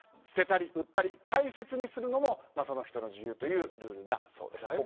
捨てたり売ったり大切にするのもその人の自由というルールだそうです。